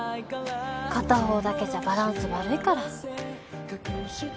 片方だけじゃバランス悪いから。